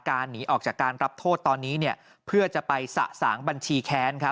หนีออกจากการรับโทษตอนนี้เพื่อจะไปสะสางบัญชีแค้น